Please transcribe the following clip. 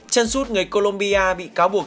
chân sút người colombia bị cáo buộc